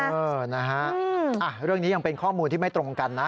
เออนะฮะเรื่องนี้ยังเป็นข้อมูลที่ไม่ตรงกันนะ